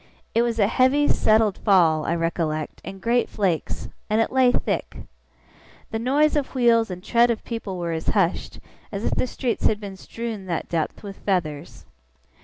It was a heavy, settled fall, I recollect, in great flakes; and it lay thick. The noise of wheels and tread of people were as hushed, as if the streets had been strewn that depth with feathers.